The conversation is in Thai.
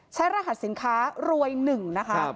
รหัสสินค้ารวย๑นะคะ